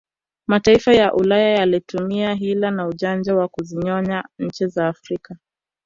Mataifa ya ulaya yalitumia Hila na ujanja wa kuzinyonya nchi za Afrika